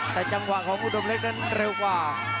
แต่จังหวะของอุดมเล็กนั้นเร็วกว่า